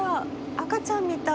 赤ちゃんみたい。